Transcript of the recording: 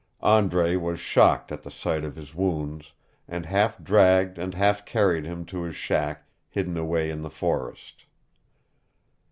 Andre was shocked at the sight of his wounds and half dragged and half carried him to his shack hidden away in the forest.